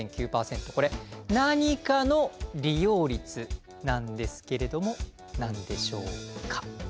これ何かの利用率なんですけれども何でしょうか？